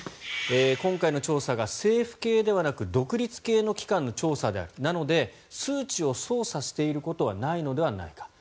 今回の調査が政府系ではなく独立系の機関の調査であるなので数値を操作していることはないのではないか。